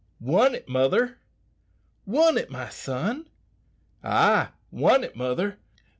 "Won it, mother!" "Won it, my son?" "Ay, won it, mother.